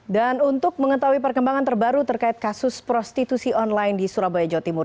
dan untuk mengetahui perkembangan terbaru terkait kasus prostitusi online di surabaya jawa timur